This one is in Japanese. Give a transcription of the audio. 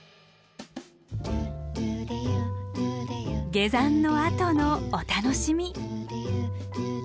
下山のあとのお楽しみ。